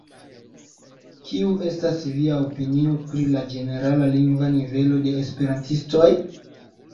Kiu estas via opinio pri la ĝenerala lingva nivelo de esperantistoj?